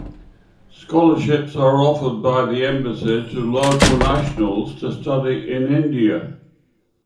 Scholarships are offered by the embassy to local nationals to study in India.